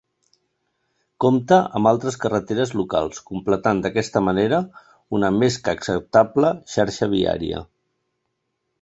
Compta amb altres carreteres locals, completant d'aquesta manera una més que acceptable xarxa viària.